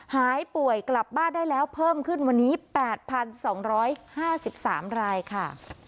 หายป่วยกลับบ้านได้แล้วเพิ่มขึ้นวันนี้๘๒๕๓รายค่ะ